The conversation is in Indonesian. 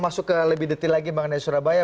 masuk ke lebih detail lagi bang anadis surabaya